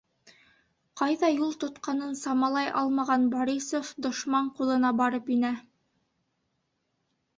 Ҡайҙа юл тотҡанын самалай алмаған Борисов дошман ҡулына барып инә.